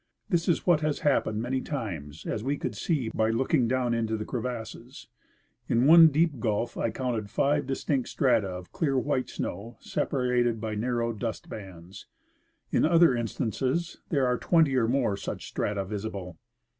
This is what has happened many times, as we could see by looking down into the crevasses. Li one deep gulf I counted five distinct strata of clear white snow, separated by narrow dust bands. In other instances there are twenty or more such strata visible.